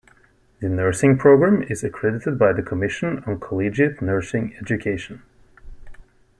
The Nursing program is accredited by the Commission on Collegiate Nursing Education.